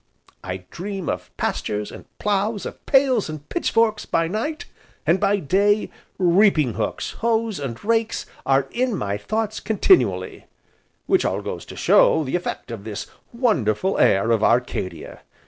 I dream of pastures, and ploughs, of pails and pitchforks, by night; and, by day, reaping hooks, hoes, and rakes, are in my thoughts continually, which all goes to show the effect of this wonderful air of Arcadia.